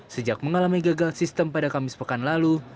sejak mengalami gagal sistem pada kamis pekan lalu